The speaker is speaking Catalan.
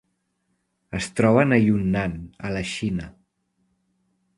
Es troben a Yunnan, a la Xina.